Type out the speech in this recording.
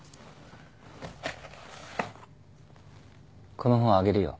この本あげるよ。